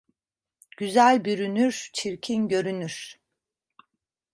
Güzel bürünür, çirkin görünür.